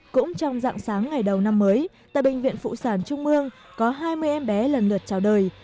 cũng trong dạng sáng ngày đầu năm mới tại bệnh viện phụ sản trung mương có hai mươi em bé lần lượt chào đời